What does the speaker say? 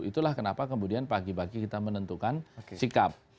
itulah kenapa kemudian pagi pagi kita menentukan sikap